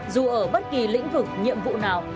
dù ở bất kỳ lĩnh vực nhiệm vụ nào